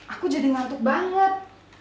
aku jadi ngantuk banget